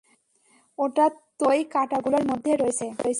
ওটা তোমার ওই কাঁটাগুলোর মধ্যে রয়েছে!